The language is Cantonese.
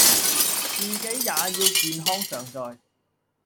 自己也要健康常在